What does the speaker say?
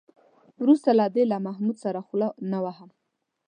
وروسته له دې له محمود سره خوله نه وهم.